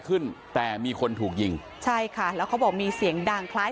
ขึ้นแต่มีคนถูกยิงใช่ค่ะแล้วเขาบอกมีเสียงดังคล้าย